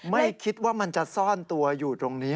ไม่คิดว่ามันจะซ่อนตัวอยู่ตรงนี้